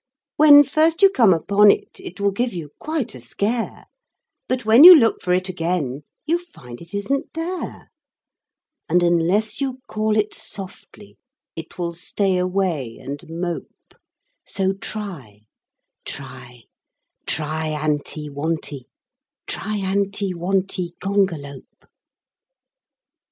When first you come upon it, it will give you quite a scare, But when you look for it again, you find it isn't there. And unless you call it softly it will stay away and mope. So try: Tri Tri anti wonti Triantiwontigongolope.